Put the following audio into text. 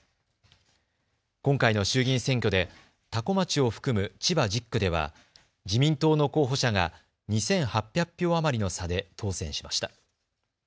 今回の衆議院選挙で多古町を含む千葉１０区では自民党の候補者が２８００票余りの差で当選しました。